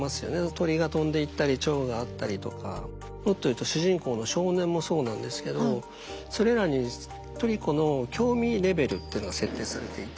鳥が飛んでいったりチョウがあったりとかもっと言うと主人公の少年もそうなんですけどそれらにトリコの「興味レベル」っていうのが設定されていて。